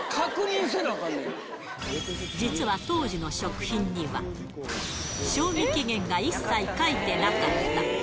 実は当時の食品には、賞味期限が一切書いてなかった。